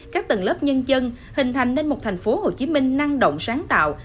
các tầng lớp nhân dân hình thành nên một thành phố hồ chí minh năng động sáng tạo